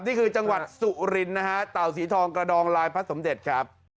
นี่คือจังหวัดสุรินนะฮะเต่าสีทองกระดองลายพระสมเด็จครับ